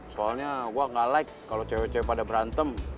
soalnya gue gak like kalau cewek cewek pada berantem